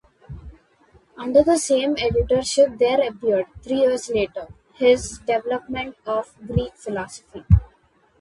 Under the same editorship there appeared, three years later, his "Development of Greek Philosophy".